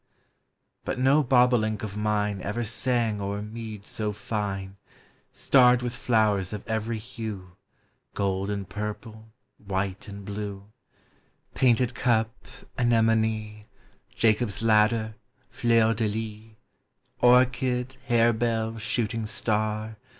But no bobolink of mine Ever sang o'er mead so fine, Starred with flowers of every hue, Gold and purple, white and blue; Painted cup, anemone, Jacob's ladder, fleur de lis, Orchid, harebell, shooting star.